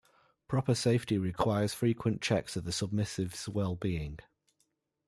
Proper safety requires frequent checks of the submissive's well-being.